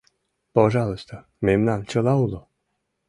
Пожалуйста, мемнан чыла уло.